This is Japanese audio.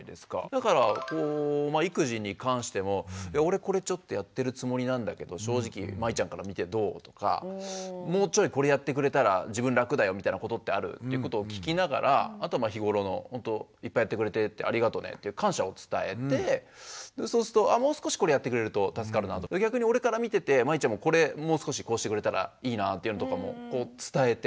だから育児に関しても「いや俺これちょっとやってるつもりなんだけど正直麻衣ちゃんから見てどう？」とか「もうちょいこれやってくれたら自分楽だよみたいなことってある？」っていうことを聞きながらあとまあ日頃のほんと「いっぱいやってくれてありがとね」って感謝を伝えてそうすると「もう少しこれやってくれると助かるな」とか逆に俺から見てて麻衣ちゃんもこれもう少しこうしてくれたらいいなぁっていうのとかも伝えて。